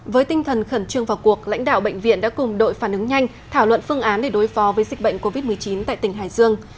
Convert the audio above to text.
với tinh thần khẩn trương vào cuộc lãnh đạo bệnh viện đã cùng đội phản ứng nhanh thảo luận phương án để đối phó với dịch bệnh covid một mươi chín tại tỉnh hải dương